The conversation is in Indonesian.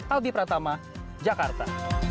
aldi pratama jakarta